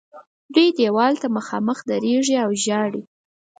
دوی دیوال ته مخامخ درېږي او ژاړي.